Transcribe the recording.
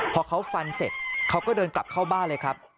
พอเขาฟันเสร็จเขาก็เดินกลับเข้าบ้านเลยครับ